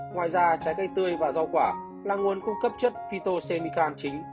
ngoài ra trái cây tươi và rau quả là nguồn cung cấp chất phytocemican chính